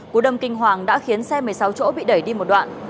cú đâm kinh hoàng đã khiến xe một mươi sáu chỗ bị đẩy đi một đoạn